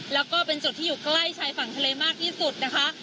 แล้วก็เป็นจุดที่อยู่ใกล้ชายฝั่งทะเลมากที่สุดนะคะ